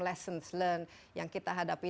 lessons learned yang kita hadapi